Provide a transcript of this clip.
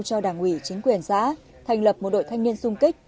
cho đảng ủy chính quyền xã thành lập một đội thanh niên sung kích